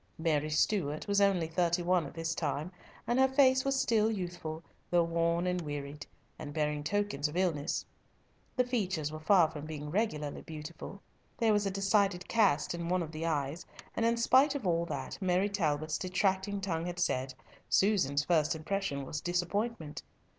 Mary Stuart was only thirty one at this time, and her face was still youthful, though worn and wearied, and bearing tokens of illness. The features were far from being regularly beautiful; there was a decided cast in one of the eyes, and in spite of all that Mary Talbot's detracting tongue had said, Susan's first impression was disappointment.